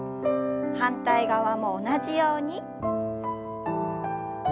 反対側も同じように。